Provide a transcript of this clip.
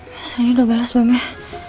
mas rendy udah bales bomnya